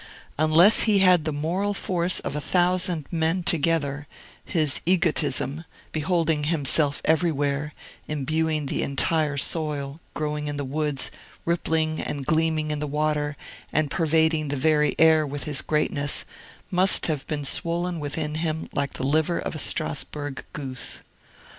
Unless he had the moral force of a thousand men together, his egotism (beholding himself everywhere, imbuing the entire soil, growing in the woods, rippling and gleaming in the water, and pervading the very air with his greatness) must have been swollen within him like the liver of a Strasburg goose.